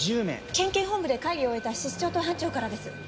県警本部で会議を終えた室長と班長からです。